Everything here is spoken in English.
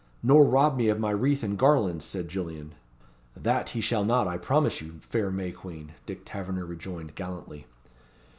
"Nor rob me of my wreath and garlands," said Gillian. "That he shall not, I promise you, fair May Queen!" Dick Tavernor rejoined, gallantly.